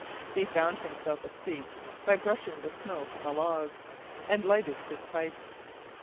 He found himself a seat by brushing the snow from a log, and lighted his pipe.